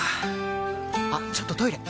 あっちょっとトイレ！